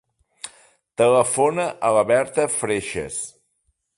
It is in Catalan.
Telefona a la Berta Freixas.